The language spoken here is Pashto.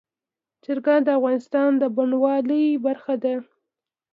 چرګان د افغانستان د بڼوالۍ برخه ده.